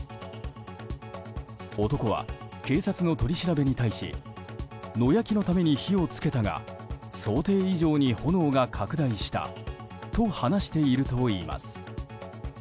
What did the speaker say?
男は、警察の取り調べに対し野焼きのために火を付けたが想定以上に炎が拡大したと話しているといいます。